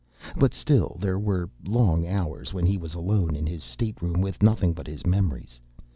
But still, there were long hours when he was alone in his stateroom with nothing but his memories.